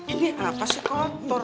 ini apa sih kontor